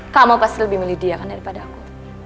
kamu pasti lebih milih dia kan daripada aku